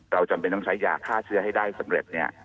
จำเป็นต้องใช้ยาฆ่าเชื้อให้ได้สำเร็จเนี่ย